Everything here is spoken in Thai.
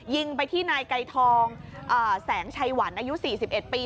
ยิงไปที่นายไกรทองแสงชัยหวันอายุ๔๑ปี